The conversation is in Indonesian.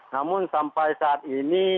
namun sampai saat ini